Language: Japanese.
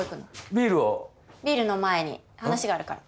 ビールの前に話があるから。